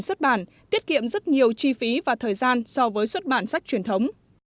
xuất bản tiết kiệm rất nhiều chi phí và thời gian so với xuất bản sách truyền thống